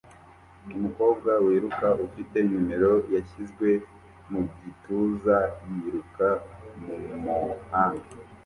Umukobwa wiruka ufite numero yashyizwe mu gituza yiruka mumuhanda